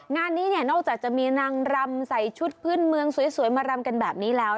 งานนี้เนี่ยนอกจากจะมีนางรำใส่ชุดพื้นเมืองสวยมารำกันแบบนี้แล้ว